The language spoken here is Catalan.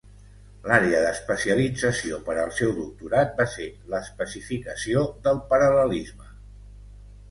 L'àrea d'especialització per al seu doctorat va ser l'especificació del paral·lelisme.